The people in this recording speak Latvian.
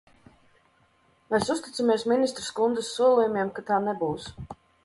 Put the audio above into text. Mēs uzticamies ministres kundzes solījumiem, ka tā nebūs.